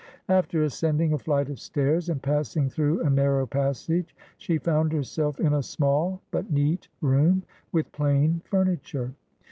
After ascending a flight of stairs and pass ing through a narrow passage, she found herself in a small but neat room, with plain furniture.